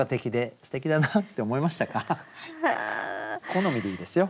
好みでいいですよ。